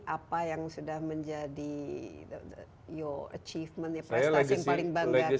apa yang sudah menjadi your achievement ya prestasi yang paling bangga